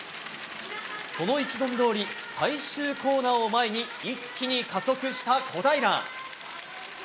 その意気込みどおり、最終コーナーを前に、一気に加速した小平。